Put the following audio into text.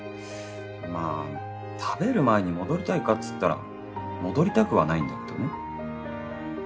まあ食べる前に戻りたいかっつったら戻りたくはないんだけどね。